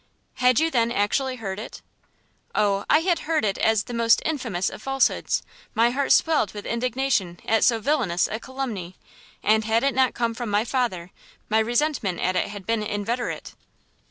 "Had you, then, actually heard it?" "Oh I had heard it as the most infamous of falsehoods! my heart swelled with indignation at so villainous a calumny, and had it not come from my father, my resentment at it had been inveterate!"